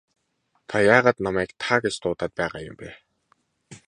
Та яагаад намайг та гэж дуудаад байгаа юм бэ?